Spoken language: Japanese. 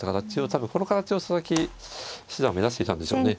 多分この形を佐々木七段は目指していたんでしょうね。